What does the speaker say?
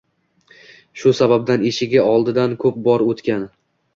Shu sababdan eshigi oldidan ko'p bor o'tgan